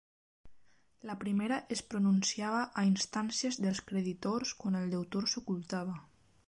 La primera es pronunciava a instàncies dels creditors quan el deutor s'ocultava.